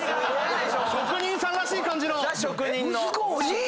職人さんらしい感じの。